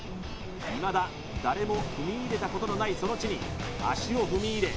いまだ誰も踏み入れたことのないその地に足を踏み入れ